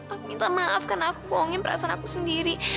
aku minta maaf karena aku bohongin perasaan aku sendiri